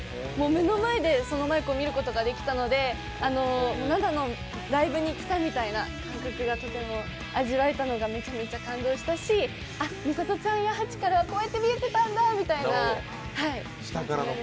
目の前でそのマイクを見ることができたのでナナのライブに来たみたいな感覚がとても味わえたのがめちゃめちゃ感動したしみさとちゃんやハチからはこうやって見えてたんだと。